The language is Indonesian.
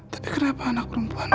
tapi kenapa anak perempuan